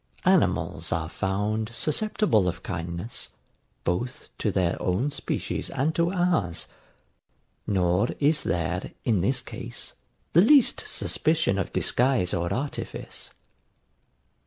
Animals are found susceptible of kindness, both to their own species and to ours; nor is there, in this case, the least suspicion of disguise or artifice.